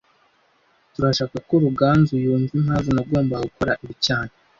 Turashaka ko Ruganzu yumva impamvu nagombaga gukora ibi cyane